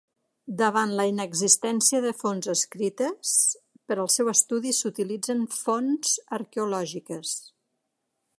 Davant la inexistència de fonts escrites, per al seu estudi s'utilitzen fonts arqueològiques.